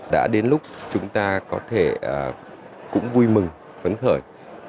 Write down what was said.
đã đến lúc chúng ta có thể cũng vui mừng phấn khởi